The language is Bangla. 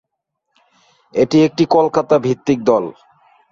এটি একটি কলকাতা-ভিত্তিক দল।